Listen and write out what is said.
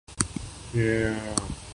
مضمون نگار کا جواب نفی میں تھا۔